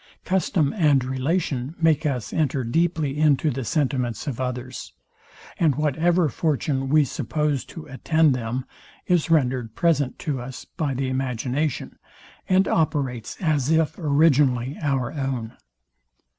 Custom and relation make us enter deeply into the sentiments of others; and whatever fortune we suppose to attend them, is rendered present to us by the imagination, and operates as if originally our own.